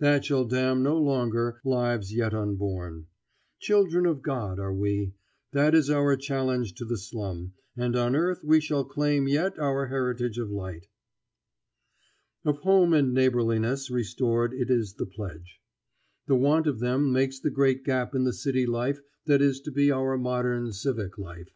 That shall damn no longer lives yet unborn. Children of God are we! that is our challenge to the slum, and on earth we shall claim yet our heritage of light. [Illustration: The Jacob A. Riis House No 50 Henry Street, New York] Of home and neighborliness restored it is the pledge. The want of them makes the great gap in the city life that is to be our modern civic life.